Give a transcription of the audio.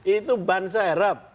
itu ban serep